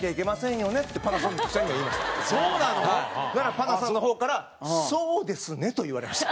パナさんの方から「そうですね」と言われました。